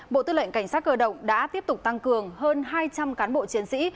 bộ tư lệnh cảnh sát cơ động đã tiếp tục tăng cường hơn hai trăm linh cán bộ chiến sĩ